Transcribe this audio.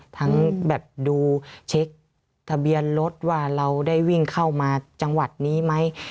ทั้งแบบดูเช็คทะเบียนรถว่าเราได้วิ่งเข้ามาจังหวัดนี้ไหม